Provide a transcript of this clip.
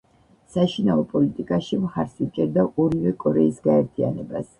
საშინაო პოლიტიკაში მხარს უჭერდა ორივე კორეის გაერთიანებას.